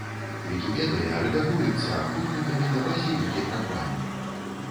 Вікіпедыя рэдагуецца ахвотнікамі на базе вікі праграмы.